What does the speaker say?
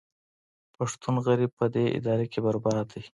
پښتون غریب په دې اداره کې برباد دی